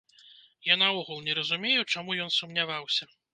Я наогул не разумею чаму ён сумняваўся?